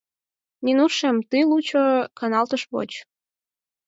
— Нинушем, тый лучо каналташ воч.